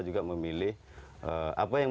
juga memilih apa yang